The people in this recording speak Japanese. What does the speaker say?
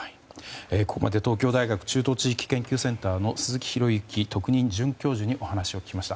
ここまで東京大学中東地域研究センターの鈴木啓之特任准教授に話を聞きました。